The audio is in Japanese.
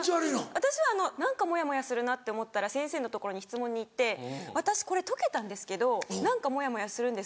私は何かモヤモヤするなって思ったら先生のところに質問に行って「私これ解けたんですけど何かモヤモヤするんです。